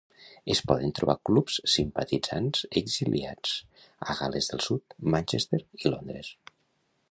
Es poden trobar clubs simpatitzants exiliats a Gal·les del Sud, Manchester i Londres.